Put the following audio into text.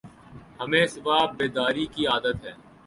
ہمیں صبح بیداری کی عادت ہے ۔